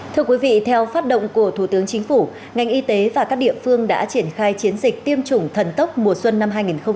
thưa quý vị theo phát động của thủ tướng chính phủ ngành y tế và các địa phương đã triển khai chiến dịch tiêm chủng thần tốc mùa xuân năm hai nghìn hai mươi